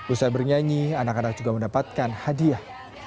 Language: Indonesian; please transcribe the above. usai bernyanyi anak anak juga mendapatkan hadiah